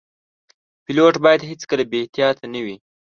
پیلوټ باید هیڅکله بې احتیاطه نه وي.